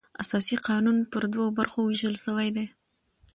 اساسي قانون پر دوو برخو وېشل سوى دئ.